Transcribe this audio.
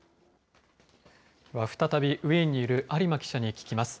再びウィーンにいる有馬記者に聞きます。